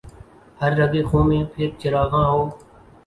ہر رگ خوں میں پھر چراغاں ہو